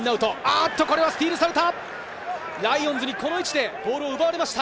これはスティールされた。